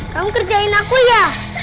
kamu kerjain aku ya